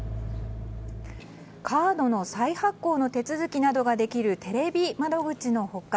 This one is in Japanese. カードの再発行の手続きなどができるテレビ窓口の他